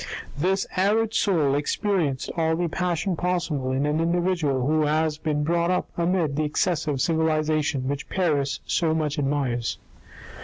This arid soul experienced all the passion possible in an individual who has been brought up amid that excessive civilisation which Paris so much admires.